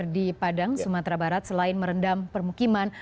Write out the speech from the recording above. di padang sumatera barat selain merendam permukiman